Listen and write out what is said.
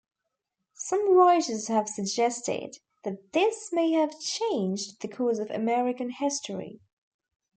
Some writers have suggested that this may have changed the course of American history.